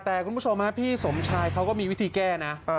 แต่คุณผู้ชมพี่สมชายเขาก็มีวิธีแก้นะ